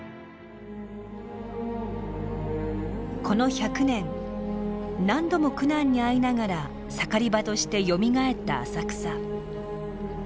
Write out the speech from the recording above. この１００年何度も苦難に遭いながら盛り場としてよみがえった浅草。